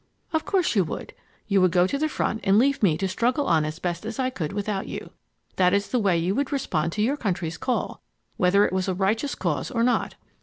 "Of course you would. You would go to the front and leave me to struggle on as best I could without you. That is the way you would respond to your country's call, whether it was a righteous cause or not.